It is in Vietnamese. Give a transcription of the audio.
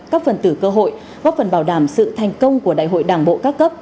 các phần tử cơ hội góp phần bảo đảm sự thành công của đại hội đảng bộ các cấp